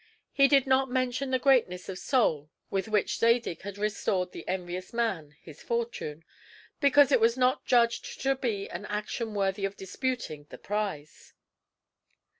He did not mention the greatness of soul with which Zadig had restored the envious man his fortune, because it was not judged to be an action worthy of disputing the prize.